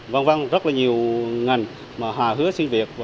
v v rất là nhiều ngành mà hà hứa xin việc